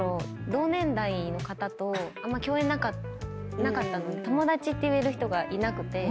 同年代の方とあんま共演なかったので友達って言える人がいなくて。